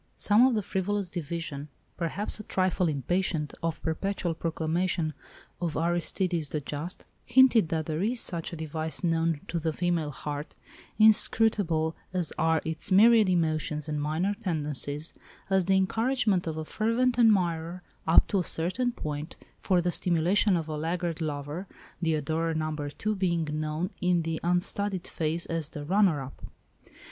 Some of the frivolous division, perhaps a trifle impatient of perpetual proclamation of "Aristides the Just," hinted that there is such a device known to the female heart—inscrutable as are its myriad emotions and minor tendencies—as the encouragement of a fervent admirer, up to a certain point, for the stimulation of a laggard lover, the adorer No. 2 being known in the unstudied phrase as the "runner up."